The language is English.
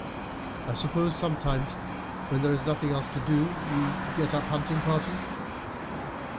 I suppose sometimes, when there is nothing else to do, we get up hunting parties?"